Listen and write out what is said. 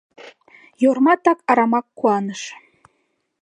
Йорма так арамак куаныш.